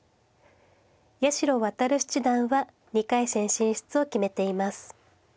八代弥七段は２回戦進出を決めています。